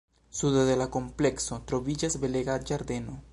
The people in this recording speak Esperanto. Sude de la komplekso troviĝas belega ĝardeno.